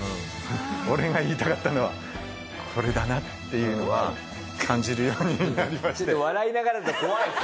俺が言いたかったのはこれだなっていうのは感じるようになりまして。